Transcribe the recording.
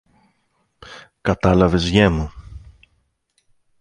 Κατάλαβες, γιε μου;